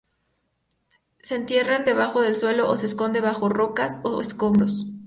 Se entierran debajo del suelo o se esconden bajo rocas o escombros.